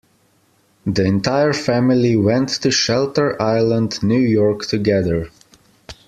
The entire family went to Shelter Island, New York together.